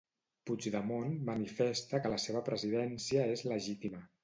Puigdemont manifesta que la seva presidència és “legítima”.